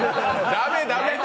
駄目、駄目。